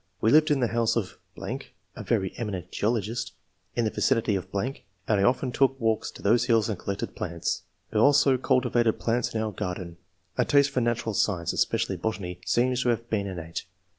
We lived in the house of .... [a very eminent geologist], in the vicinity of ...., and T often took walks to those hills and collected plants. I also culti vated plants in our garden. A taste for natural science, especially botany, seems to have been innate.